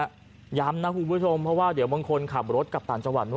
ย้ำนะคุณผู้ชมเพราะว่าเดี๋ยวบางคนขับรถกลับต่างจังหวัดนู้น